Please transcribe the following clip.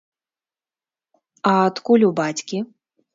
А адкуль у бацькі?